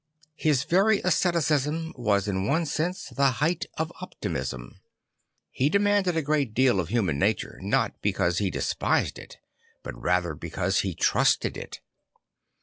His very asceticism was in one sense the height of optimism. He demanded a great deal of human nature not because he despised it but rather because he trusted it.